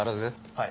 はい。